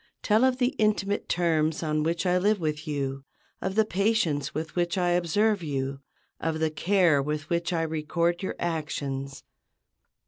Tell of the intimate terms on which I live with you, of the patience with which I observe you, of the care with which I record your actions.